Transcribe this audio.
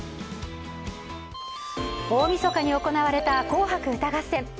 大みそかに行われた「紅白歌合戦」。